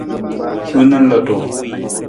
Hiwung na lutu.